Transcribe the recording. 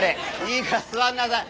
いいから座んなさい。